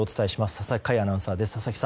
佐々木快アナウンサーです。